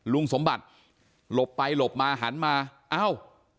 ลุงสมบัติหลบไปหลบมาหันมาเอ้า